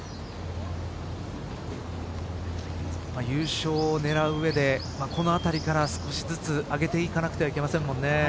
優勝を狙う上でこのあたりから少しずつ上げていかなければいけませんもんね。